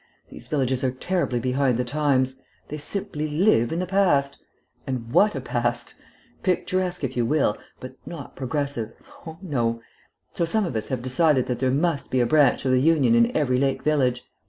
These villages are terribly behind the times. They simply live in the past. And what a past! Picturesque if you will but not progressive oh, no! So some of us have decided that there must be a branch of the Union in every lake village.